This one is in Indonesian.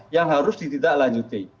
yang harus ditindak lanjuti